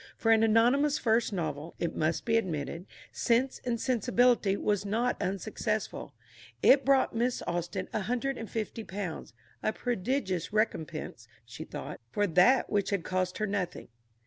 For an anonymous first novel, it must be admitted, Sense and Sensibility was not unsuccessful. It brought Miss Austen £150 "a prodigious recompense," she thought, "for that which had cost her nothing."